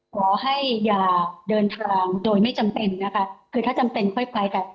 ขอให้อย่าเดินทางโดยไม่จำเป็นนะคะคือถ้าจำเป็นค่อยไปกัน